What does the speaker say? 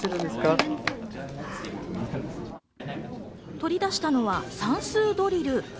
取り出したのは算数ドリル。